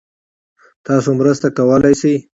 تاسو مرسته کولای شئ؟